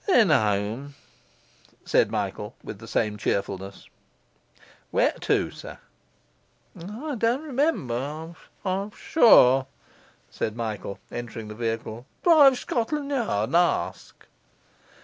'Then home,' said Michael, with the same cheerfulness. 'Where to, sir?' 'I don't remember, I'm sure,' said Michael, entering the vehicle, 'drive Shcotlan' Yard and ask.